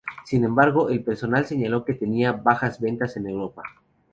Sin embargo, el personal señaló que tenía bajas ventas en Europa.